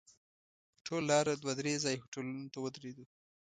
په ټوله لاره دوه درې ځایه هوټلونو ته ودرېدو.